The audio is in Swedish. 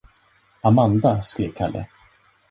Amanda! skrek Kalle.